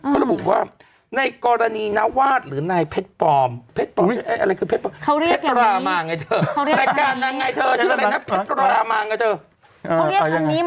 เขาลกบิ๊บว่าในกรณีณวัฒน์หรือในเผ็ดปลอม